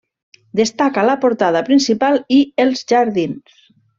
Destaca la portada principal i els jardins.